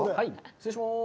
失礼します。